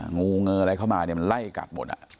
งูเงออะไรเข้ามาเนี่ยมันไล่กัดหมด